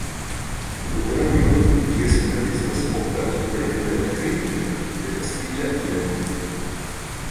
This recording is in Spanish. Volver arriba↑ "Diez finalistas optan al Premio de la Crítica de Castilla y León".